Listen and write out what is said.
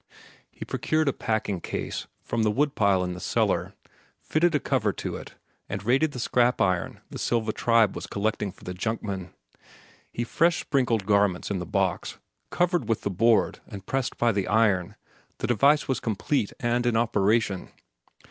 He procured a packing case from the woodpile in the cellar, fitted a cover to it, and raided the scrap iron the Silva tribe was collecting for the junkman. With fresh sprinkled garments in the box, covered with the board and pressed by the iron, the device was complete and in operation.